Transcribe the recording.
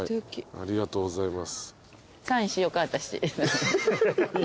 ありがとうございます。